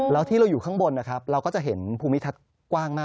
แล้วที่เราอยู่ข้างบนนะครับเราก็จะเห็นภูมิทัศน์กว้างมาก